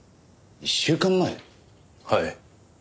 はい。